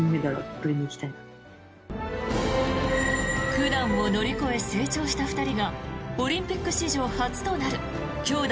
苦難を乗り越え成長した２人がオリンピック史上初となる兄妹